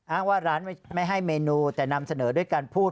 ว่าร้านไม่ให้เมนูแต่นำเสนอด้วยการพูด